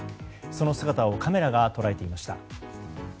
その姿をカメラが捉えていました。